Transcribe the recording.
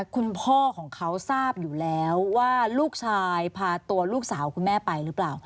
คุณพ่อของเขาทราบอยู่แล้วว่าลูกชายพาตัวลูกสาวคุณแม่ไปหรือเปล่า